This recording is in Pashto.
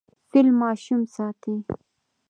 فیل ماشوم ساتي.